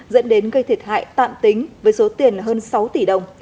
dẫn đến gây thiệt hại tạm tính với số tiền hơn sáu tỷ đồng